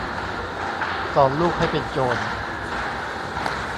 สอนลูกให้เป็นโจร